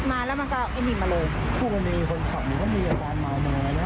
คู่มันมีคนขับมันก็มีอัตฟันมาเหมือนอะไรนะ